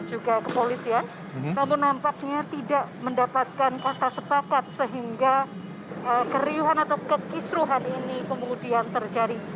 juga kepolisian namun nampaknya tidak mendapatkan kota sepakat sehingga keriuhan atau kekisruhan ini kemudian terjadi